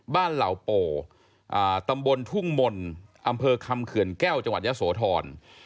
เหล่าโปตำบลทุ่งมนต์อำเภอคำเขื่อนแก้วจังหวัดยะโสธร